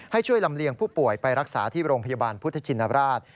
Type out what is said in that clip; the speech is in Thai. ให้ช่วยลำเลียงผู้ป่วยไปรักษาที่โรงพยาบาลพุทธชินราช